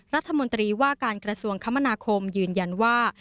รัฐมนตรีว่าการกระทรวงคมนาคมยืนยันว่า